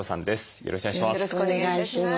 よろしくお願いします。